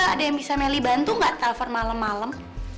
ada yang bisa meli bantu gak tafer malem malem